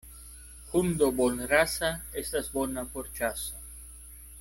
Hundo bonrasa estas bona por ĉaso.